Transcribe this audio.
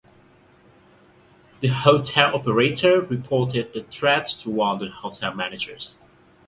The hotel operator reported the threat to one of the hotel managers.